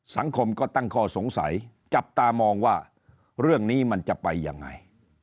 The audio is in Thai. สังคมก็ตั้งข้อสงสัยจับตามองว่าเรื่องนี้มันจะไปยังไง